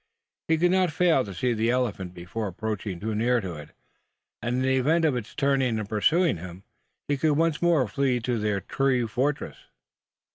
He could not fail to see the elephant before approaching too near to it; and in the event of its turning and pursuing him, he could once more flee to their tree fortress.